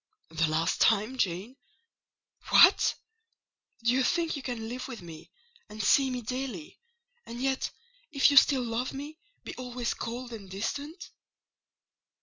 "The last time, Jane! What! do you think you can live with me, and see me daily, and yet, if you still love me, be always cold and distant?"